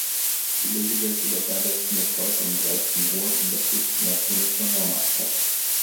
Die Lösegeldübergabe findet heute um dreizehn Uhr in der Fußgängerzone vor Norma statt.